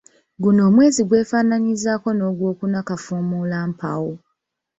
Guno omwezi gw'efaanaanyirizaako n'ogwokuna Kafuumuulampawu.